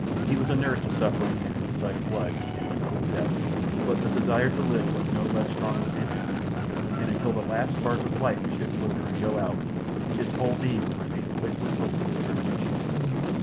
He was inured to suffering and to the sight of blood and to cruel death; but the desire to live was no less strong within him, and until the last spark of life should flicker and go out, his whole being would remain quick with hope and determination.